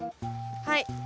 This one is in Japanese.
はい。